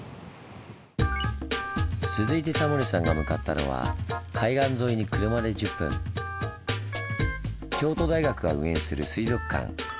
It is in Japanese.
続いてタモリさんが向かったのは海岸沿いに車で１０分京都大学が運営する水族館。